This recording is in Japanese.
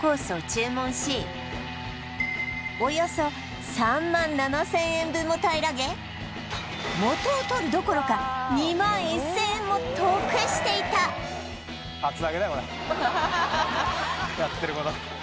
およそ３万７０００円分も平らげ元を取るどころか２万１０００円も得していたやってること